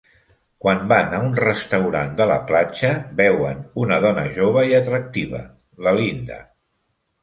Quan van a un restaurant de la platja, veuen una dona jove i atractiva, la Linda.